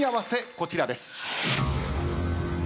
こちらです。